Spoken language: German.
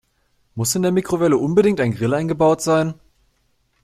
Muss in der Mikrowelle unbedingt ein Grill eingebaut sein?